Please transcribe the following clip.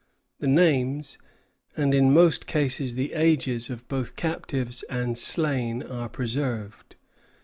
The names, and in most cases the ages, of both captives and slain are preserved.